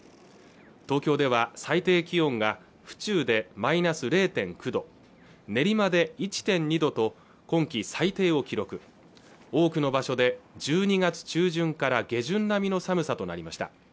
東京では最低気温が府中でマイナス０．９度練馬で１．２度と今季最低を記録多くの場所で１２月中旬から下旬並みの寒さとなりました